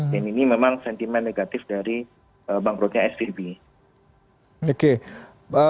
dan ini memang sentimen negatif dari bankrutnya svb